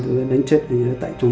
để sống trên môi trường